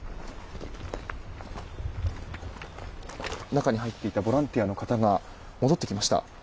中に入っていたボランティアの方が戻ってきました。